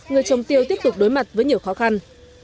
người trồng tiêu tiếp tục đối mặt với nhiều khó khăn